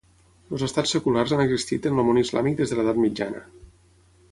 Els estats seculars han existit en el món islàmic des de l'edat mitjana.